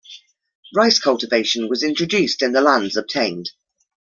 Rice cultivation was introduced in the lands obtained.